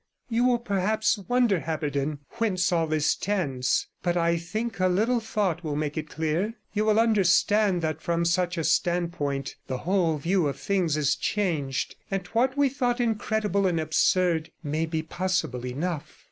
'You will perhaps wonder, Haberden, whence all this tends; but I think a little thought will make it clear. You will understand that from such a standpoint the whole view of things is changed, and what we thought incredible and absurd may be possible enough.